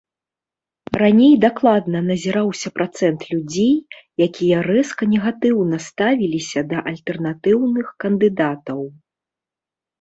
Раней дакладна назіраўся працэнт людзей, якія рэзка негатыўна ставіліся да альтэрнатыўных кандыдатаў.